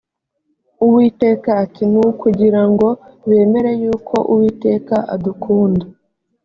uwiteka ati ni ukugira ngo bemere yuko uwiteka adukunda